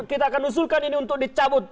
kita akan usulkan ini untuk dicabut